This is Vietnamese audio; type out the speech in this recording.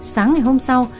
sáng ngày hôm sau